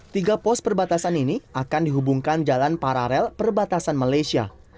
tiga pos perbatasan ini akan dihubungkan jalan paralel perbatasan malaysia